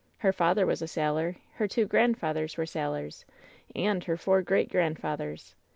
Her father was a sailor, her two grandfathers were sailors, and her four great grandfathers.